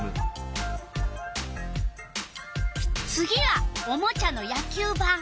次はおもちゃの野球ばん。